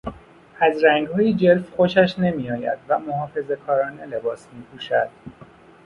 از رنگهای جلف خوشش نمیآید و محافظهکارانه لباس میپوشد.